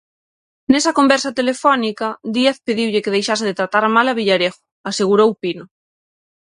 Nesa conversa telefónica Díaz pediulle que deixase de "tratar mal" a Villarejo, asegurou Pino.